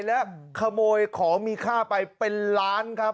และขโมยของมีค่าไปเป็นล้านครับ